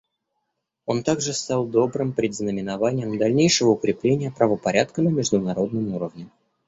Он также стал добрым предзнаменованием дальнейшего укрепления правопорядка на международном уровне.